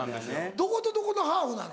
どことどこのハーフなの？